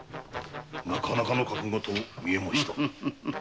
なかなかの覚悟と見え申した。